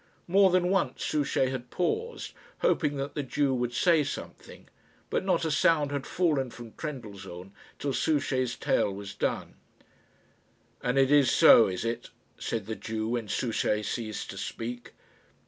More than once Souchey had paused, hoping that the Jew would say something; but not a sound had fallen from Trendellsohn till Souchey's tale was done. "And it is so is it?" said the Jew when Souchey ceased to speak.